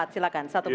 silahkan satu menit